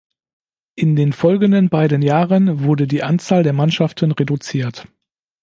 In den folgenden beiden Jahren wurde die Anzahl der Mannschaften reduziert.